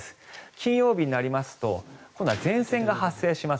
金曜日になりますと今度は前線が発生します。